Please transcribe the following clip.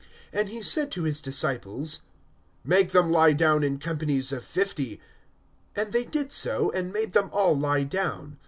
And he said to his disciples: Make them lie down in companies of fifty. (15)And they did so, and made them all lie down.